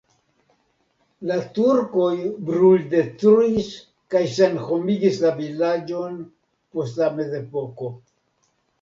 La turkoj bruldetruis kaj senhomigis la vilaĝon post la mezepoko.